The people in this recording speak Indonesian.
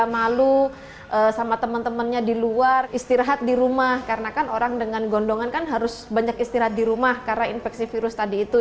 malu sama teman temannya di luar istirahat di rumah karena kan orang dengan gondongan kan harus banyak istirahat di rumah karena infeksi virus tadi itu